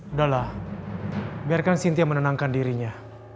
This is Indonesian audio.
udah lah biarkan sintia menenangkan dirinya